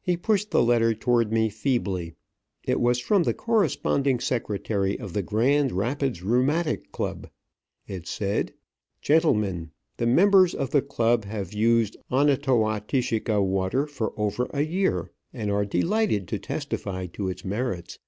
He pushed the letter toward me feebly. It was from the corresponding secretary of the Grand Rapids Rheumatic Club. It said: "Gentlemen: The members of the club have used Onotowatishika water for over a year, and are delighted to testify to its merits.